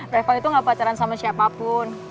reva itu gak pacaran sama siapapun